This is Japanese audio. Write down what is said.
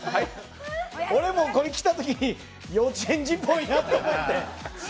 俺もこれ着たときに幼稚園児っぽいなって。